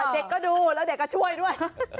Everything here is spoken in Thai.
เด็กก็ดูแล้วเด็กก็ช่วยด้วย